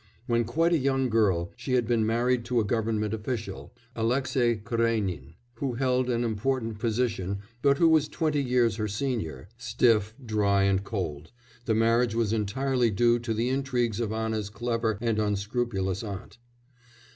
When quite a young girl she had been married to a government official, Aleksei Karénin, who held an important position but who was twenty years her senior, stiff, dry, and cold; the marriage was entirely due to the intrigues of Anna's clever and unscrupulous aunt.